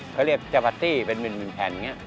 เขาเรียกจาบาตี้เป็นแผ่น